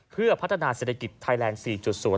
เพื่อพัฒนาเศรษฐกิจไทยแลนด์๔๐